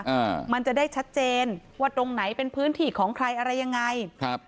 อ่ามันจะได้ชัดเจนว่าตรงไหนเป็นพื้นที่ของใครอะไรยังไงครับ